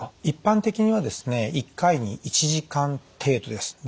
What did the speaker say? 一般的にはですね１回に１時間程度です。